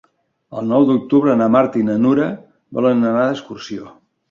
El nou d'octubre na Marta i na Nura volen anar d'excursió.